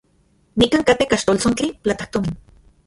Nikan katej kaxltoltsontli platajtomin.